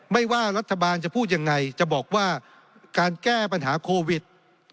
ไม่ว่ารัฐบาลจะพูดยังไงจะบอกว่าการแก้ปัญหาโควิด